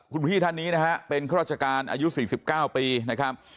คุณพี่ท่านนี้นะฮะเป็นข้าราชการอายุ๔๙ปีนะครับ